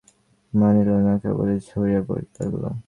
বড়ো বড়ো ফোঁটা কিছুতে বাধা মানিল না, কেবলই ঝরিয়া পড়িতে লাগিল।